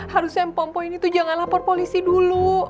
harusnya mpo mpo ini tuh jangan lapor polisi dulu